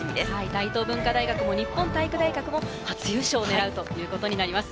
大東文化大学も日本体育大学も初優勝を狙うということになります。